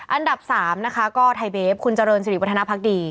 อันดับ๓นะคะก็ไทยเบฟคุณเจริญสิริวัฒนภักดี